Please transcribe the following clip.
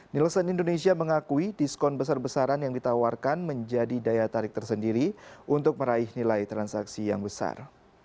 nielsen indonesia mengakui diskon besar besaran yang ditawarkan menjadi daya tarik tersendiri untuk meraih nilai transaksi yang besar